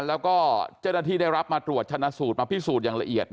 แล้วก็เจ้าหน้าที่ได้รับมาตรวจชนะสูตรมาพิสูจน์อย่างละเอียด